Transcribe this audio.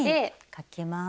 かけます。